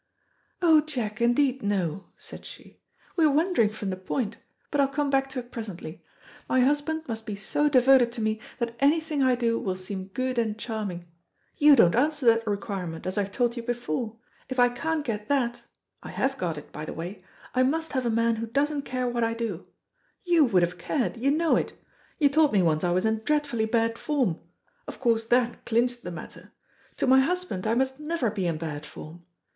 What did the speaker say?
"Oh, Jack, indeed no," said she; "we are wandering from the point, but I'll come back to it presently. My husband must be so devoted to me that anything I do will seem good and charming. You don't answer that requirement, as I've told you before. If I can't get that I have got it, by the way I must have a man who doesn't care what I do. You would have cared, you know it. You told me once I was in dreadfully bad form. Of course that clinched the matter. To my husband I must never be in bad form.